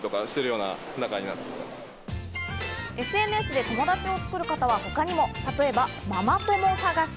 ＳＮＳで友達を作る方は他にも例えば、ママ友探し。